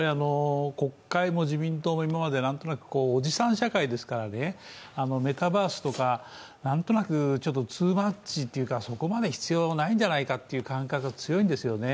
国会も自民党も今までなんとなくおじさん社会ですからメタバースとか、なんとなくツーマッチというかそこまで必要ないんじゃないかという感覚が強いんですよね。